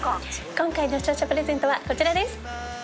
今回の視聴者プレゼントはこちらです。